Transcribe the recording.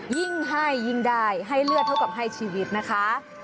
ยิ่งให้ยิ่งได้ให้เลือดเท่ากับให้ชีวิตนะคะ